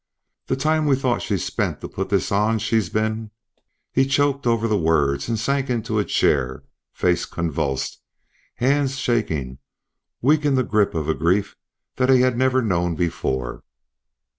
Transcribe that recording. "The time we thought she spent to put this on she's been " He choked over the words, and sank into a chair, face convulsed, hands shaking, weak in the grip of a grief that he had never before known.